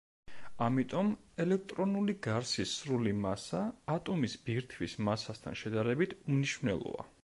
ამიტომ ელექტრონული გარსის სრული მასა ატომის ბირთვის მასასთან შედარებით უმნიშვნელოა.